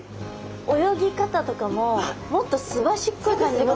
泳ぎ方とかももっとすばしっこい感じの。